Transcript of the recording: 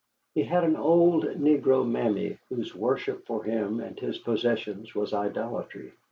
He had an old negro mammy whose worship for him and his possessions was idolatry.